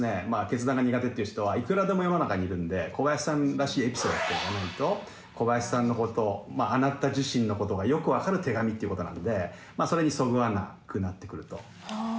決断が苦手っていう人はいくらでも世の中にいるんで小林さんらしいエピソードがないと小林さんのことあなた自身のことがよく分かる手紙っていうことなのでそれにそぐわなくなってくると。